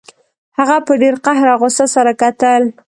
هغه په ډیر قهر او غوسه سره کتل